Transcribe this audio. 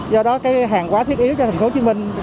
do đó cái hàng quá thiết yếu cho thành phố hồ chí minh